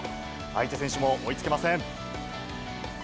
相手選手も追いつけません。